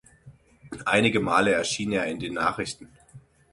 Einige Male erschien er in den Nachrichten.